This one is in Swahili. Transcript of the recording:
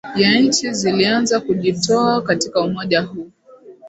ya nchi zilianza kujitoa katika umoja huu